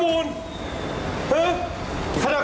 สวัสดีครับ